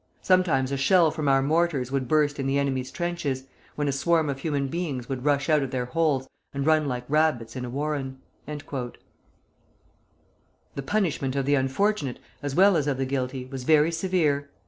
Sometimes a shell from our mortars would burst in the enemy's trenches, when a swarm of human beings would rush out of their holes and run like rabbits in a warren." The punishment of the unfortunate, as well as of the guilty, was very severe.